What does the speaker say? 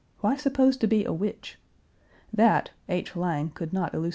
Why supposed to be a witch? That H. Lang could not elucidate.